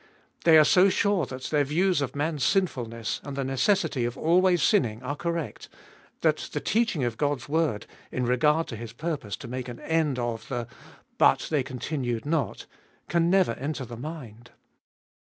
They are so sure that their views of man's sinfulness and the necessity of always sinning are correct, that the teaching of God's word in regard to His purpose to make an end of the but they continued not can never enter the mind.